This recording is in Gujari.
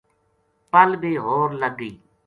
پل بے ہور لگ گئی